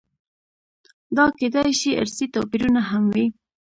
دا کېدای شي ارثي توپیرونه هم وي.